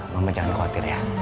mama jangan khawatir ya